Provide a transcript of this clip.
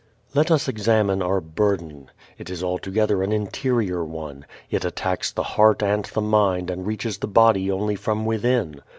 Let us examine our burden. It is altogether an interior one. It attacks the heart and the mind and reaches the body only from within.